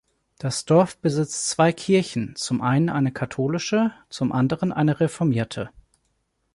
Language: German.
Das Dorf besitzt zwei Kirchen: zum einen eine katholische, zum anderen eine reformierte.